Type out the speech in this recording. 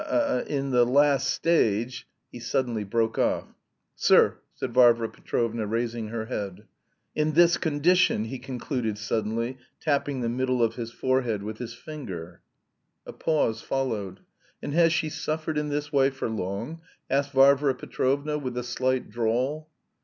in the last stage..." he suddenly broke off. "Sir!" said Varvara Petrovna, raising her head. "In this condition!" he concluded suddenly, tapping the middle of his forehead with his finger. A pause followed. "And has she suffered in this way for long?" asked Varvara Petrovna, with a slight drawl.